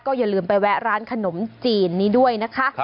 อย่าลืมไปแวะร้านขนมจีนนี้ด้วยนะคะ